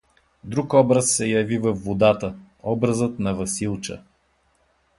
Друг образ се яви във водата, образът на Василча.